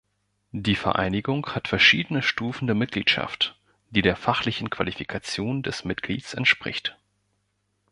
Die Vereinigung hat verschiedene Stufen der Mitgliedschaft, die der fachlichen Qualifikation des Mitglieds entspricht.